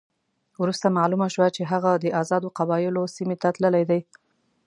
وروسته معلومه شوه چې هغه د آزادو قبایلو سیمې ته تللی دی.